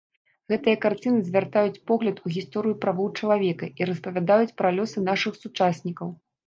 Гэтыя карціны звяртаюць погляд у гісторыю правоў чалавека і распавядаюць пра лёсы нашых сучаснікаў.